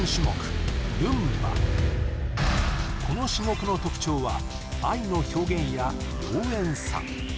この種目の特徴は愛の表現や妖艶さ